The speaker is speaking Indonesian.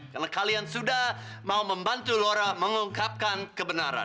karena kalian sudah mau membantu laura mengungkapkan kebenaran